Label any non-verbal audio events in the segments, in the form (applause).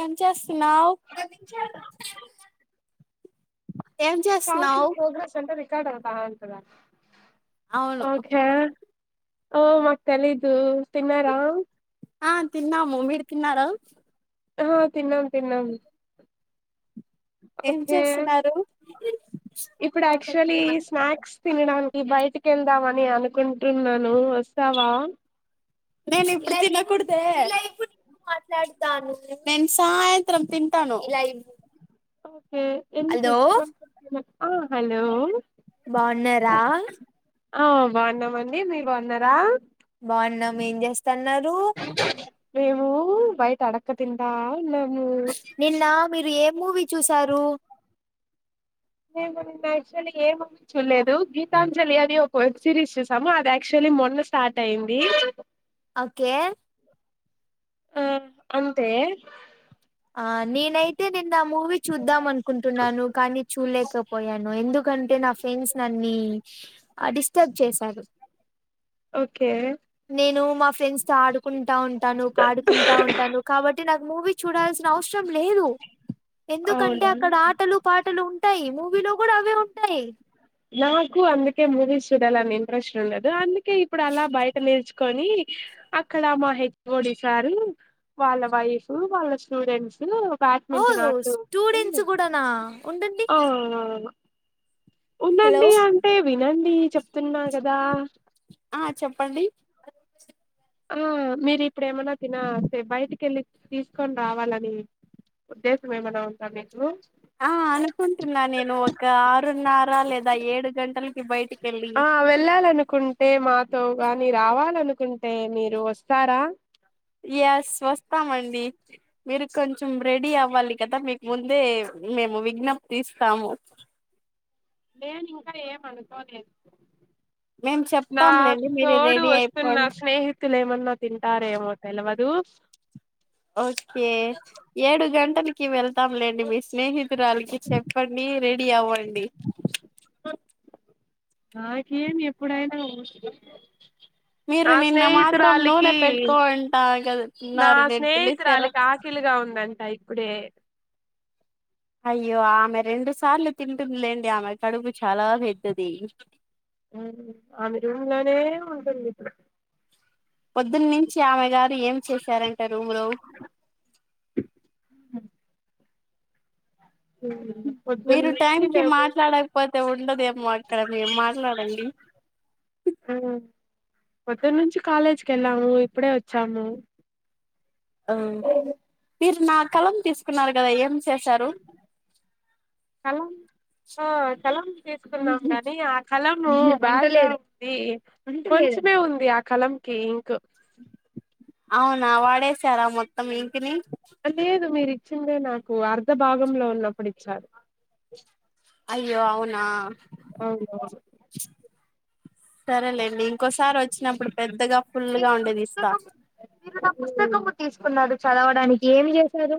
ఏంచేస్తున్నావ్ అవును (unintelligible) ఓ మక్ తేలిదు తిన్నారా ఆ తిన్నాము మీరు తిన్నారా ఆ తిన్నాం తిన్నాం ఏం ఓకే చేస్తున్నారు ఇప్పుడ్ యాక్టుల్ల్యి స్నాక్స్ తినడానిక్ ఈ బైటికెళ్దామని అనుకుంటున్నాను వస్తావా నేనిప్పుడె దిన కుడ్దే మాట్లాడ్తాను నేన్ సాయంత్రం తింటాను హలో ఆ హలో బావున్నారా ఆ బావున్నామండి మీర్ బావున్నారా బావున్నామ్ ఏం జెస్తాన్నారు మేము బయట అడక్క తీంట నిన్న మీర్ ఏం మూవీ చూశారు యాక్చ్వలీ ఏమ్ మువీ చూలేదు. గీతాంజలి అని ఒక వెబ్ సిరీస్ చూసాము. అది యాక్చ్వల్లీ మొన్న స్టార్ట్ ఐంది ఓకే ఉ అంతే అ నేనైతే నిన్న ఆ మూవీ చూద్దాం అన్కుంటున్నాను. కానీ చూల్లేకపోయాను ఎందుకంటే నా ఫ్రెండ్స్ నన్ని అ డిస్టర్బ్ చేసారు. ఓకే మా ఫ్రెండ్స్ తో ఆడుకుంటా ఉంటాను. పాడుకుంటా ఉంటాను. కాబట్టి నాక్ మూవీ చు డల్సిన అవసరం లేదు. ఎందుకంటే అవునా అక్కడ ఆటలు పాటలు ఉంటాయ్ మూవీలో కూడా అవే ఉంటాయ్ నాకు అందుకే మూవీస్ చూడాలని ఇంట్రెస్ట్ ఉండదు. అందుకే ఇప్పుడలా బైట నేర్చ్ కొని అక్కడ మా హెచ్ ఒడి సారు వాళ్ళ వైఫు వాళ్ళ స్టూడెంట్సు బ్యాట్మింటన్ ఓహ్! ఆడ్తూ ఉంటది స్టూడెంట్స్ గూడానా ఉండండి. ఓ హలో ఉండండి అంటే వినండి చెప్తున్నా గదా ఆ చెప్పండి ఆ మీర్ ఇప్పుడెమన్నా తిన బైటికెళ్ళి తీస్కొన్ రావాలని ఉద్దేశం ఎమన్నా ఉందా మీకు ఆ అనుకూంటున్నా నేను ఒక ఆరున్నర లేదా ఏడు గంటలకి బైటికెళ్ళి ఎళ్లాలనుకుంటే మాతో గాని రావాల్ టే మీరు వస్తారా యస్ వస్తామండి మీరు కొంచెం రెడీ అవ్వాలి కదా మీక్ ముందే మేము విజ్ఞప్తి ఇస్తాము నేనింకా ఏం అనుకోలేదు మేము నా చెప్తాంలేండి మీరు తోడు రెడీ వస్తున్న అయిపోండి స్నేహితులు ఏమన్నా తింటారేమో తెలువద్ దు ఒకే ఏడు గంటలకీ వెల్ త్తంలేండి మీ స్నేహితురాల్కి చెప్పండి రెడీ అవ్వండి నాకేం ఎప్పుడైనా (unintelligible) మీరు నా నిన్న మాత్రం నూనె స్నేహితురాలికి పెట్టుకోంటా కదా నా ఉన్నారు నేను పిలిస్తే రా స్నేహితురాలికి ఆకిలిగా ఉం దంట ఇప్పుడే అయ్యో ఆమె రెండు సార్లు తింటుందిలేండి ఆమె కడుపు చాలా పెద్దదీ ఆమె రూంలోనే ఉంటుంది ఇపుడు పొద్దున్నించి ఆమె గారు ఏం చేశారన్ ట రూంలో ఊమ్ మీరు టైం కి మాట్లాడకపోత్ తే ఉండదు ఏమో అక్కడ మేర్ మాట్లాడండి పొద్దునుంచి కాలేజీకెళ్ళాము ఇప్పుడే ఒచ్చాము మీరు నా కలం తీసుకున్నారు గదా ఏం చేసారు కలం ఆ కలం తీసుకున్నాం గాని ఆ కలం ను బా (inaudible) కొంచమే ఉంది ఆ కలం ఈ ఇంకూ అవునా వాడేసారా మొత్తం ఇంక్ ని లేదు మీరిచ్చిందే నాకు అర్ధ భాగంలో ఉన్నప్పుడు ఇచ్చారు అయ్యో అవునా అవును అవును సరేలేండి ఇంకోసారి ఒచ్చినప్పుడు పెద్దగా ఫుల్ గా ఉండేది ఇస్తా ఉమ్ చదవడానికి ఏమి జేశారు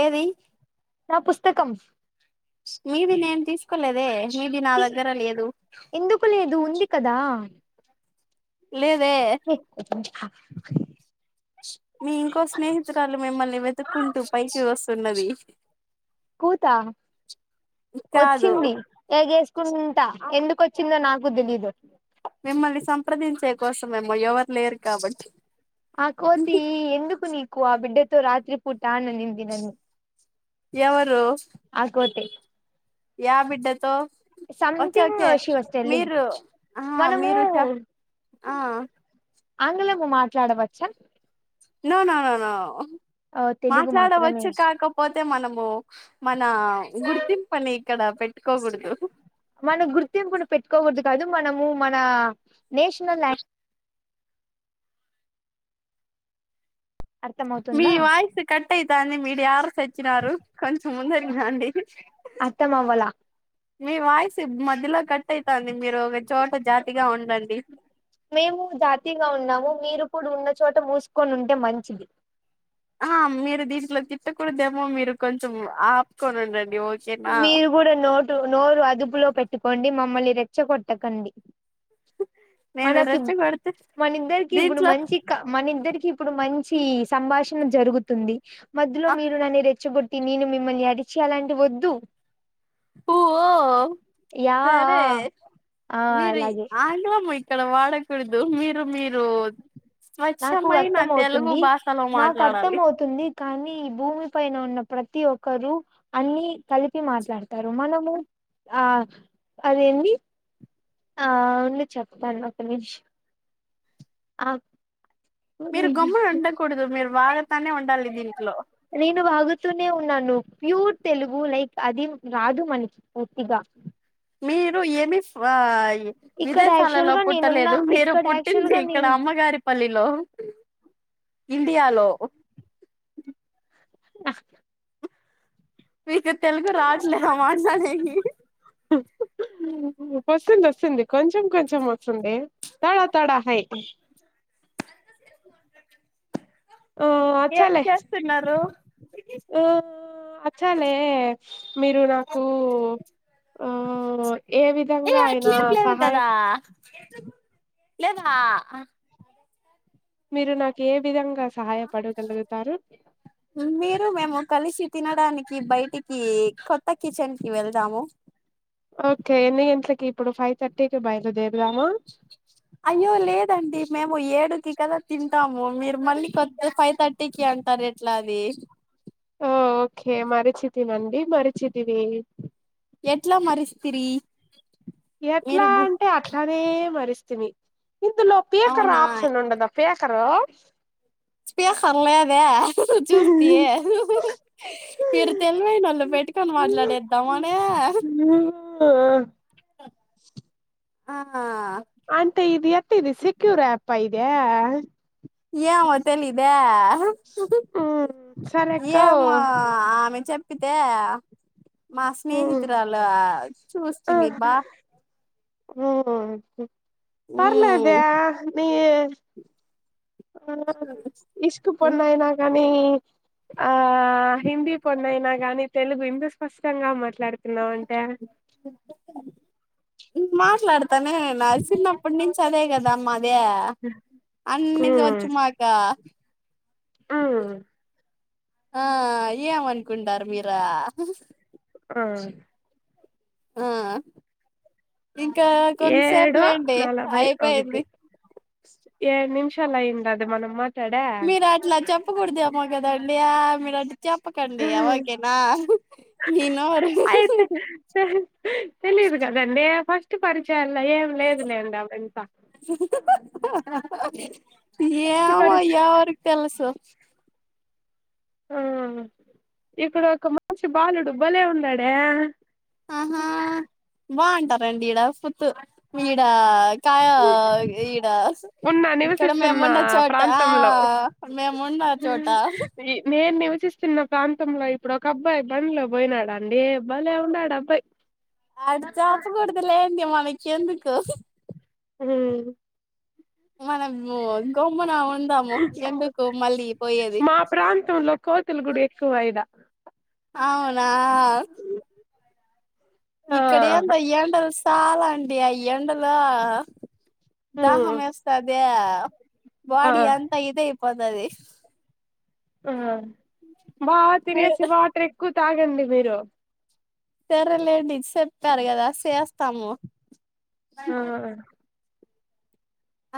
ఏదీ నా పుస్తకం మీది నేను తీసుకోలేదే మీది నా దగ్గర లేదు ఎందుకు లేదు ఉంది కదా లేదే (unintelligible) మీ ఇంకో స్నేహితురాలు మిమ్మల్ని వెతుక్కుంటూ పైకి వస్తున్నది కూత కాదు ఒచ్చింది ఎగేసుకుంటా ఎందుక్ కొచ్చిందో నాకు దెలీదు మిమ్మల్ని సంప్రదించే కోసమేమో ఎవర్లేరు కాబట్టి ఆ కోతి ఎందుకు నీకు ఆ బిడ్డెతో రాత్రి పూటా అనింది నన్ను ఎవరూ ఆ కోతే యా బిడ్డతో okay something okay she was telling మీరు ఆహ్ మనము మీరు చెప్ ఆ ఆంగ్లము మాట్లాడవచ్చా నోనోనోనో తెలుగు మాత్రమే మాట్లాడవచ్చు కాకపోతే మనము మన్ నా గుర్తింపని ఇక్కడ పెట్టుకోకూడదు మన గుర్తింపును పెట్టుకోకూడదు కాదు మనము మన నేషనల్యాం అర్థం మీ అవుతుందా వాయిసు కట్ అయితాంది మీరు యాడ సచ్చినారు కొంచెం ముందరికి రండి అర్థం అవ్వలా మీ వాయిసు మధ్యలో కట్ అయితాంది మీరు ఒక చోట జాతిగా ఉండండి మేము జాతిగా ఉన్నాము మీరు కూడ ఉన్న చోట మూసుకొని ఉంటే మంచిది ఆహ మీరు దీంట్లో తిట్టకూడదేమో మీరు కొంచం ఆపుకొనుండండి మీరు గుడా నోటు నోరు అదుపులో పెట్టుకోండి మా మల్ని రెచ్చగొట్ట కండి నేను మనకి రెచ్చగొడితే మన ఇద్దరికి ఇప్పుడు దీంట్లో మంచిక మన ఇద్దరికి కి ఇప్పుడు మంచి సంభాషణ జరుగుతుంది మధ్యలో మీరు నన్ని ఇరి చ్చగొట్టి నేను మిమ్మల్ని ఆర్చి అలాంటి వద్దు ఓఓహ్ యా సరే ఆ మీరు అలాగే ఆండా మై ఇక్కడ వాడకుడ్దు మీరు మీరూ నాకు అర్థం అవుతుంది నాకు అర్థం మాట్లాడాలి అవుతుంది కానీ భూమి పైన ఉన్న ప్రతి ఒక్కరూ అన్ని కలిపి మాట్లాడతారు మనమూ ఆ అదేంది ఆ ఉంది చెప్తాను ఒక నిమీష అ మీరు గమ్మున ఉండకూడదు మీరు వాగుతానే ఉండాలి దీంట్లో నేను వాగుతునే ఉన్నాను ప్యూర్ తెలుగు లైక్ అది రాదు మనకి పూర్తిగా మీరు ఏమి ఫా ఆ ఇక్కడ యాక్చువల్ విదేశాలలో గా నేనున్న పుట్టలేదు మీరు ఇక్కడ యాక్చువల్ పుట్టింది గా ఇక్కడ నేను అమ్మగారిపల్లిలో ఇండియాలో మీకు తెలుగు రాట్లేద మాట్లాడెకీ ఓస్తుంది ఓస్తుంది కొంచెం కొంచెం వస్తుందే తోడా తోడా హై ఎంటి చేస్తున్నారు ఉమ్ అచ్చలే మీరు నాకూ ఆ ఏ ఏ విధంగా ఆయన అట్లేం లేదు సహాయ కదా లేదా మీరు నాకి ఏ విధంగా సహాయపడుగలుగుతారు మీరు మేము కలిసి తినడానికి బైటికీ కొత్త కిచెన్ కి వెళ్దాము ఓకే ఎన్ని గంట్లకి ఇప్పుడు ఫైవ్ థర్టీ కి బయలుదేర్ అయ్యో లేదండి మేము ఏడుకి కదా తింటాము మీరు మళ్ళీ కొత్ ఫైవ్ థర్టీకి అంటారు ఎట్లా అది ఆ ఓకే మరచితినండి మరిచితిమీ ఎట్లా మరిస్తిరి ఎట్లా మీరు అంటే అట్లానే మర్రిస్తిమీ ఇందులో పీకర్ అవునా ఆప్షన్ ఉండద పీకరు స్పీకర్ లేదే చూస్తూయే మీరు తెలివైనోళ్ళు పెట్టుకొని మాట్లాడేద్దామనే ఆ మ్ ఆ ఆ అంటే ఇది ఎట్ట ఇది సెక్యూర్ అప్ప ఇది ఏమో తెలిదే హ్మ్ సరే ఏమో అక్క ఆమె చెప్పితే మా స్నేహితురాలు చూస్తిమీ బ హు మ్ పర్లేదే మ్మ్ మీ ఆ ఇష్క్ పోన్నానైనా గాని ఆ హిందీ పొంద్నైనా గాని తెలుగు ఇంద స్పష్టంగా మాట్లాడుతున్నావ్ అంటే మాట్లాడ్ అతనే నడిసినప్పటి నుంచి అదే కదా మాదే అన్నిది ఉమ్ వచ్చు మాకా ఉమ్ ఆ ఏమనుకుంటారు మీరా ఆ ఆ ఇంకా కొంతసేపు ఏడు లేండి నలభై అయిపోయింది. చాల అయుండాది మనమ మాట్ మీరు అట్ల చెప్పకూడదేమో కదండియా మీరు అ చెప్పకండియా ఓకేనా మీ నోరు తెలియదు కదండి ఫస్ట్ పరిచయంలో ఏం లేదు లేండి అదంత ఫస్ట్ ఏమో పరిచ ఎవరికి తెలుసు బ్లాంక్ ఆ ఇక్కడ ఒక మనిషి బాలుడు భలే ఉన్నాడే బ్లాంక్ బా అంటారండి ఈడ పుతు ఈడ కాయ ఈడ ఉన్నా ఇక్కడ నివసిస్తున్న మేమున్న చోట ఆ ప్రాంతంలో మేముండ చోట చిస్తున్న ప్రాంతంలో ఇప్పుడు ఒక అబ్బాయి బండ్లో పోయినాడండి. భలే ఉన్నాడు అబ్బాయి మన చెప్పకూడుదు లేంది మనకి ఎందుకు ఉమ్ మనము గమ్మున ఉందాము ఎందుకు మళ్ళీ పోయేది. లో కోతులు గుడ ఎక్కువయిడా అవునా ఆ ఇక్కడ ఏందో ఎండలు చాలా అండి అయ ఎండలో ఉమ్ దాహమేస్తాది ఆ బాడి అంతా ఇదే అయిపో తది ఆ బాగా తినేసి మీరు వాటర్ ఎక్కువ తాగండి మీరు సరేలేండి చెప్పారు కదా సేస్తాము ఆ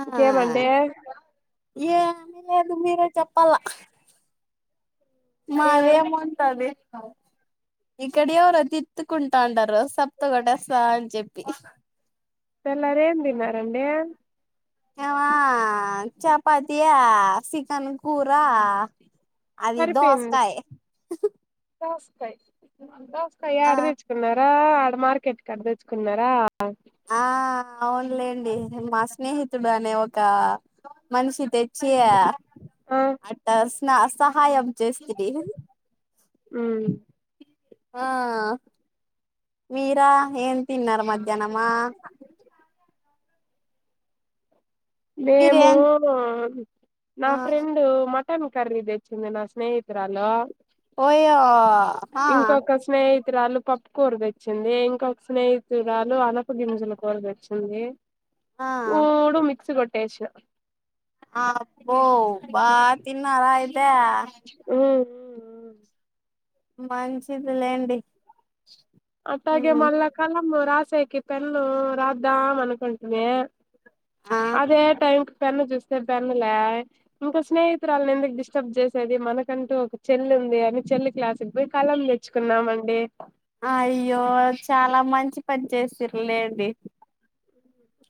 ఇంకేమండే ఏమి లేదు మీరే చెప్పల్ల ఏం మాదేముంటది ఇక్కడ ఎవరో తిత్తుకుంటాండరు. సబ్బుతో కొట్టేస్తా అని జెప్పి తెల్లారి ఎం తిన్నారండి ఏవా చపాతియా సికెన్ కూరా అది సరిపోయింది దోసకాయ్ దోసకాయ్ దోసకాయ యాడ ఆ తెచ్చుకున్నారా ఆడ మార్కెట్ కాడ తెచ్చుకున్నారా ఆ అవునులేండి మా స్నేహితుడు అనే ఒక మనిషి తె చ్చి ఆ అట్ట స్నా సహాయం చేస్తిడి ఉమ్ ఆ మీరా ఏం తిన్నారు మధ్యానమా మేమూ మీరేం నా ఆ ఫ్రెండు మ మట్టన్ కర్రి తెచ్చింది నా స్నేహితురాలో ఓయ్యో హ రాలు పప్పుకూర తెచ్చింది. ఇంకొ స్నేహితురాలు అనపు గింజల కూర తెచ్చింది. ఆ మూడు మిక్స్ కొట్టేశిన ఆ అప్పో బాగ తిన్నార అయితే ఉమ్, ఉమ్. మంచిది లేండి అట్టాగే మళ్ళా కలమ్ రాసేకి పెన్ను రాద్దాం అనుకుంటినే ఆ అదే టైం పెన్ను చూస్తే పెన్ను లా ఇంకా స్నేహితురాలని ఎందుకు డిస్టర్బ్ చేసేది మనకంటూ ఒక చెల్ ది అని చెల్లి క్లాసికి పోయి కళం తెచ్చుకున్నామండి. అయ్యో చాలా మంచి పని చేసిర్ లేండి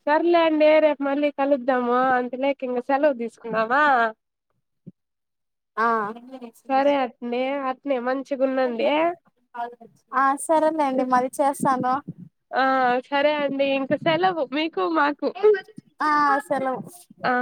సర్లే అండి రేపు మళ్ళీ కలుద్దాము అంతలేక ఇంక సెలవు తీసుకుందమా అ సరే అత్నే అత్నే మం ఆ సరేలేండి మరి చేస్తాను ఆ సరే అండి ఇంకా సెలవు మీకు మా కు ఆ సెలవు అ